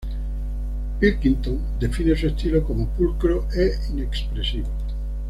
Pilkington define su estilo como pulcro e inexpresivo.